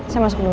saya masuk dulu